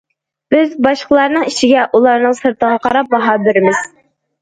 بىز باشقىلارنىڭ ئىچىگە ئۇلارنىڭ سىرتىغا قاراپ باھا بېرىمىز.